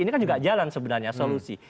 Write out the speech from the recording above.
ini kan juga jalan sebenarnya solusi